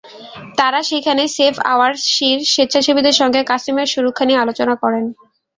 তাঁরা সেখানে Save Our Seas স্বেচ্ছাসেবীদের সঙ্গে কাছিমের সুরক্ষা নিয়ে আলোচনা করেন।